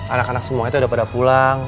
anak anak semua itu udah pada pulang